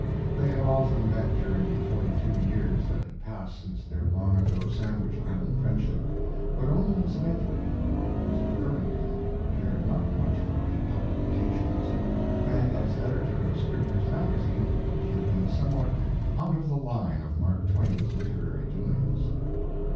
They had often met during the forty two years that had passed since their long ago Sandwich Island friendship; but only incidentally, for Mr. Burlingame cared not much for great public occasions, and as editor of Scribner's Magazine he had been somewhat out of the line of Mark Twain's literary doings.